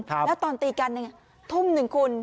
แล้วตอนตีกันทุ่มหนึ่งคุณ